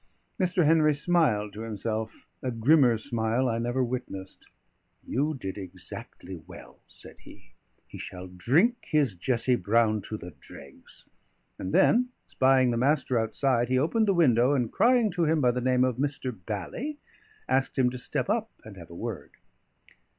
Mr. Henry smiled to himself; a grimmer smile I never witnessed. "You did exactly well," said he. "He shall drink his Jessie Broun to the dregs." And then, spying the Master outside, he opened the window, and, crying to him by the name of Mr. Bally, asked him to step up and have a word.